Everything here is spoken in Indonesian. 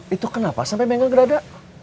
itu kenapa sampai bengkel grada